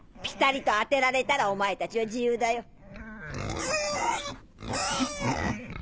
ピタリと当てられたらお前たちは自由だよ。